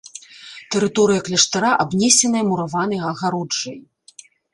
Тэрыторыя кляштара абнесеная мураванай агароджай.